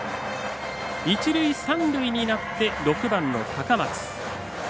一塁、三塁になって６番の高松。